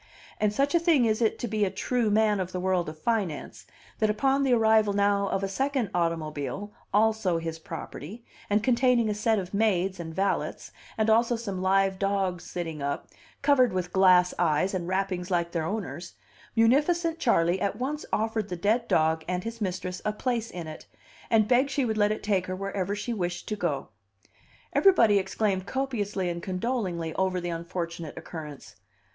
And such a thing is it to be a true man of the world of finance, that upon the arrival now of a second automobile, also his property, and containing a set of maids and valets, and also some live dogs sitting up, covered with glass eyes and wrappings like their owners, munificent Charley at once offered the dead dog and his mistress a place in it, and begged she would let it take her wherever she wished to go. Everybody exclaimed copiously and condolingly over the unfortunate occurrence.